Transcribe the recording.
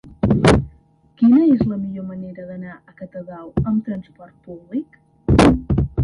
Quina és la millor manera d'anar a Catadau amb transport públic?